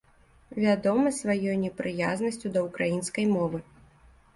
Вядомы сваёй непрыязнасцю да ўкраінскай мовы.